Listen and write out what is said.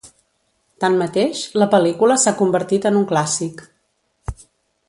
Tanmateix, la pel·lícula s'ha convertit en un clàssic.